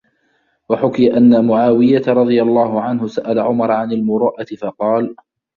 وَحُكِيَ أَنَّ مُعَاوِيَةَ رَضِيَ اللَّهُ عَنْهُ سَأَلَ عُمَرَ عَنْ الْمُرُوءَةِ فَقَالَ